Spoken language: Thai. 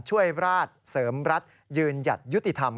ช่วยราชเสริมรัฐยืนหยัดยุติธรรม